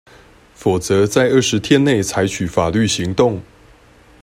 否則在二十天內採取法律行動